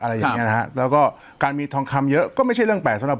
อะไรอย่างเงี้นะฮะแล้วก็การมีทองคำเยอะก็ไม่ใช่เรื่องแปลกสำหรับ